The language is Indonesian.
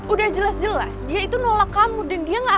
udah jelas jelas dia itu nolak kamu dan dia gak ada yang nolak lo